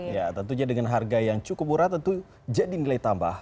ya tentunya dengan harga yang cukup murah tentu jadi nilai tambah